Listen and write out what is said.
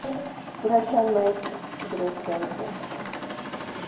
Գրեթե մերկ, գրեթե անկենդան։